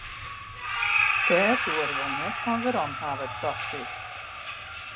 Dêr soe er wol net fan werom hawwe, tocht ik.